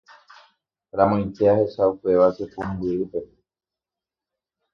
Ramoite ahecha upéva che pumbyrýpe.